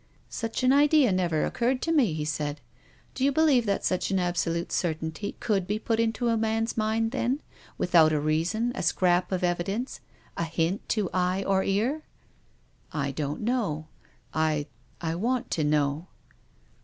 " Such an idea never occurred to me," he said. " Do you believe that such an absolute certainty could be put into a man's mind then, without a reason, a scrap of evidence, a hint to eye, or " I don't know. I — I want to know."